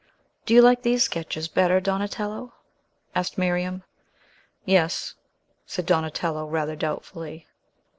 "Do you like these sketches better, Donatello?" asked Miriam. "Yes," said Donatello rather doubtfully.